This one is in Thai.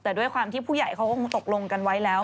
แต่ด้วยความที่ผู้ใหญ่เขาก็คงตกลงกันไว้แล้ว